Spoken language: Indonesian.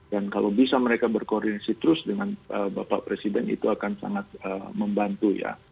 dan kalau bisa mereka berkoordinasi terus dengan bapak presiden itu akan sangat membantu ya